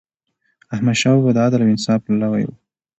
احمدشاه بابا د عدل او انصاف پلوی و.